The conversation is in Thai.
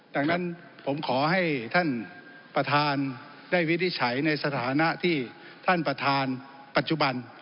ดังนั้นผมขอให้ท่านประธานได้วินิจฉัยในสถานะที่ท่านประธานปัจจุบัน